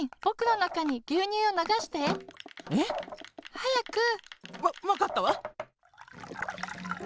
はやく！わわかったわ。